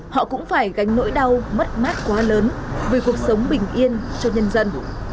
họ cũng phải gánh nỗi đau mất mát quá lớn vì cuộc sống bình yên cho nhân dân